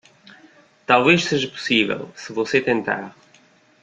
Talvez seja possível, se você tentar